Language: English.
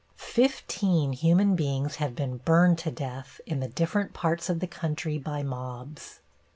Fifteen human beings have been burned to death in the different parts of the country by mobs.